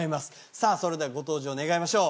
さぁそれではご登場願いましょう。